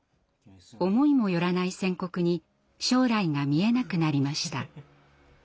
思いも寄らない宣告に将来が見えなくなりました。